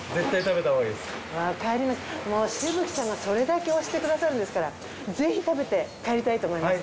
わかりました渋木さんがそれだけ推してくださるんですからぜひ食べて帰りたいと思います。